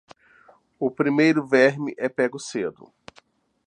O primeiro verme é pego cedo.